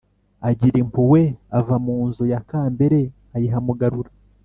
agira impuhwe; ava mu nzu ya kambere ayiha mugarura,